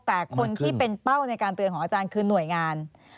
แต่คนที่เป็นเป้าในการเตือนของอาจารย์คือหน่วยงาน